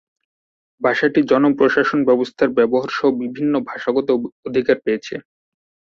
ভাষাটি জন প্রশাসন ব্যবস্থায় ব্যবহার সহ বিভিন্ন ভাষাগত অধিকার পেয়েছে।